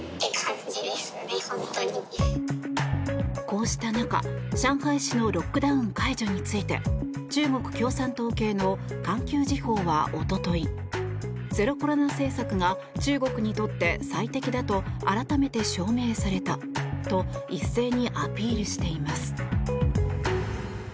こうした中、上海市のロックダウン解除について中国共産党系の環球時報はおとといゼロコロナ政策が中国にとって最適だと改めて証明されたと一斉にアピールしています。